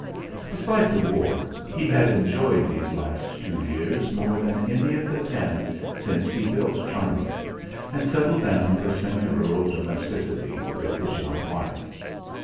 Despite the war he had enjoyed these last two years more than any of the ten since he built "Charmleigh" and settled down to semi rural domesticity with his young wife.